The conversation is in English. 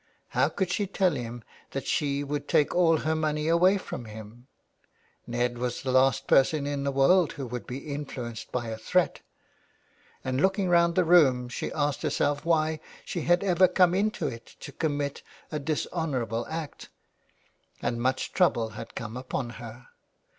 How could she tell him that she would take all her money away from him ? Ned was the last person in the world who would be influenced by a threat. And looking round the room she asked herself why she had ever come into it to commit a dishonourable act ! and much trouble had come upon her.